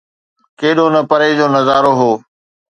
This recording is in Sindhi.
ڪيڏو نه پري جو نظارو هو.